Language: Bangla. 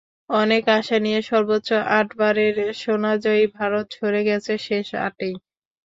অনেক আশা নিয়ে সর্বোচ্চ আটবারের সোনাজয়ী ভারত ঝরে গেছে শেষ আটেই।